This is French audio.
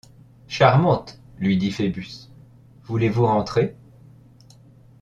Charmante, lui dit Phœbus, voulez-vous rentrer ?